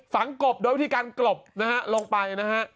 ฝังกบโดยวิธีการกรบนะครับลงไปนะฮะ